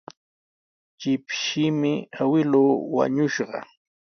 Shipshimi awkilluu wañushqa.